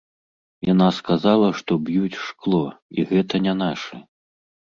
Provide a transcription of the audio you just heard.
Яна сказала, што б'юць шкло, і гэта не нашы.